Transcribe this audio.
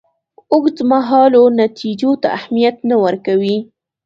اوږدمهالو نتیجو ته اهمیت نه ورکوي.